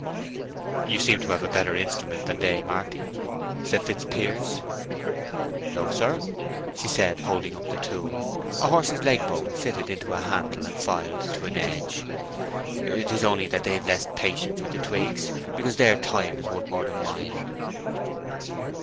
"You seem to have a better instrument than they, Marty," said Fitzpiers. "No, sir," she said, holding up the tool—a horse's leg bone fitted into a handle and filed to an edge—"'tis only that they've less patience with the twigs, because their time is worth more than mine."